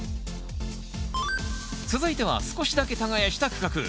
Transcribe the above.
続いては少しだけ耕した区画。